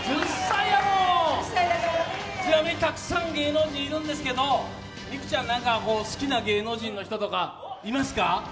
ちなみにたくさん芸能人いるんですけど美空ちゃん、好きな芸能人とかいますか？